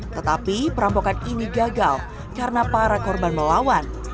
tetapi perampokan ini gagal karena para korban melawan